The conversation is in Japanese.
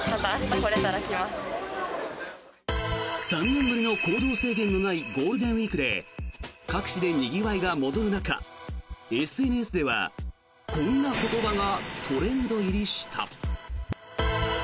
３年ぶりの行動制限のないゴールデンウィークで各地でにぎわいが戻る中ＳＮＳではこんな言葉がトレンド入りした。